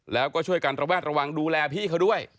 แล้วก็ช่วยกันระแวดระวังดูแลพี่เขาด้วย